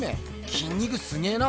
きん肉すげえな。